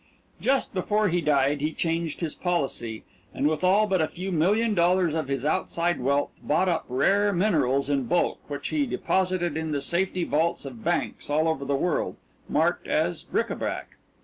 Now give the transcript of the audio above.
Just before he died he changed his policy, and with all but a few million dollars of his outside wealth bought up rare minerals in bulk, which he deposited in the safety vaults of banks all over the world, marked as bric à brac.